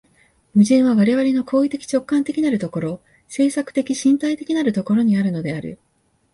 矛盾は我々の行為的直観的なる所、制作的身体的なる所にあるのである。